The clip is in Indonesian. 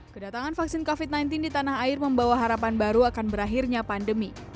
kedatangan vaksin covid sembilan belas di tanah air membawa harapan baru akan berakhirnya pandemi